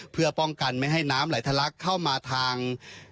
เพื่อป้องกันไม่ให้น้ำไหลทะลักเข้ามาทาง